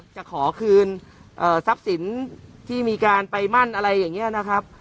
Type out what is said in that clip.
จะขอคืนทรัพย์สินที่มีการไปมั่นอะไรอย่างนี้นะครับ